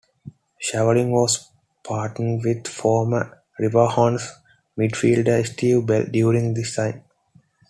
Shovlin was partnered with former Riverhounds midfielder Steve Bell during this time.